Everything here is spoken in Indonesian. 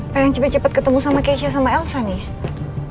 pengen cepet cepet ketemu sama keisha sama elsa nih